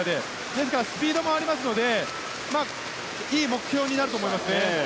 ですからスピードもあるのでいい目標になると思いますね。